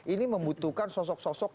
ini membutuhkan sosok sosok